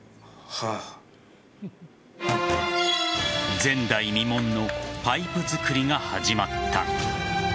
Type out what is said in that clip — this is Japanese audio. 前代未聞のパイプ作りが始まった。